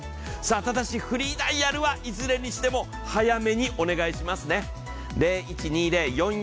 ただし、フリーダイヤルはいずれにしても早めにお願いしますね。